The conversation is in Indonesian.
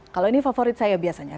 kalau ini favorit saya biasanya